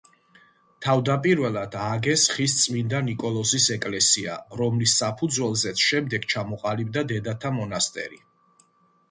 თავდაპირველად ააგეს ხის წმინდა ნიკოლოზის ეკლესია, რომლის საფუძველზეც შემდეგ ჩამოყალიბდა დედათა მონასტერი.